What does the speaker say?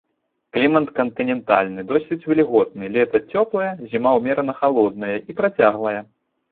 Клімат кантынентальны, досыць вільготны, лета цёплае, зіма ўмерана халодная і працяглая.